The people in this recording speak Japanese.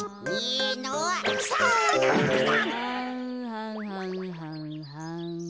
はんはんはんはん。